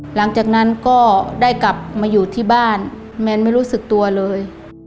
หลังจากนั้นก็ได้กลับมาอยู่ที่บ้านแมนไม่รู้สึกตัวเลย